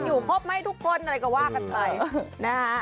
อยู่ภพไม่ทุกคนอะไรก็ว่ากัน